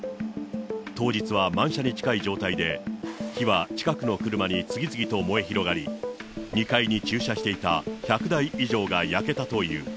当日は満車に近い状態で、火は近くの車に次々と燃え広がり、２階に駐車していた１００台以上が焼けたという。